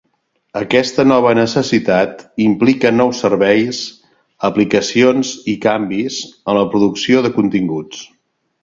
Aquesta nova necessitat implica nous serveis, aplicacions i canvis en la producció de continguts.